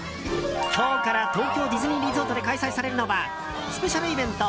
今日から東京ディズニーリゾートで開催されるのはスペシャルイベント